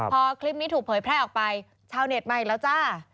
พอคลิปนี้ถูกเผยแพร่ออกไปชาวเน็ตมาอีกแล้วจ้า